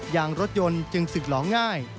ยางรถยนต์จึงสึกหลองง่าย